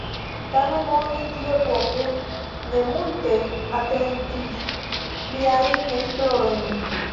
Tamen oni tiuepoke ne multe atentis liajn esplorojn.